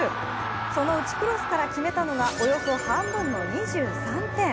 そのうちクロスから決めたのがおよそ半分の２３点。